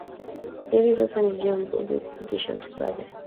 Hivi sasa ni juu ya bunge kupitisha mswada